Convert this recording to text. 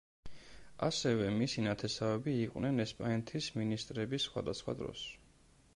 ასევე, მისი ნათესავები იყვნენ ესპანეთის მინისტრები სხვადასხვა დროს.